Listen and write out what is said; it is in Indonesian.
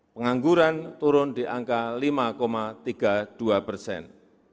pengangguran turun di angka lima tiga puluh dua persen